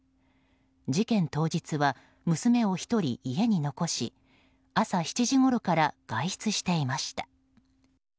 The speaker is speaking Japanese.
事件当日は、娘を１人家に残し朝７時ごろから外出していました。